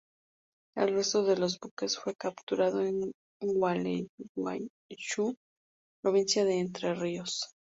El resto de los buques fue capturado en Gualeguaychú, Provincia de Entre Ríos.